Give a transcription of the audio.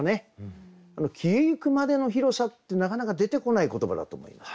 「消えゆくまでの広さ」ってなかなか出てこない言葉だと思います。